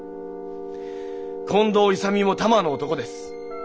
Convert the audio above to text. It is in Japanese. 近藤勇も多摩の男です。